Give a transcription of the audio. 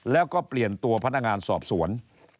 แล้วก็เปลี่ยนตัวพนักงานสอบสวน